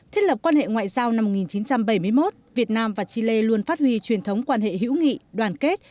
thiết lập quan hệ ngoại giao năm một nghìn chín trăm bảy mươi một việt nam và chile luôn phát huy truyền thống quan hệ hữu nghị đoàn kết